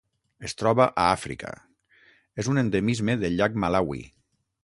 Es troba a Àfrica: és un endemisme del llac Malawi.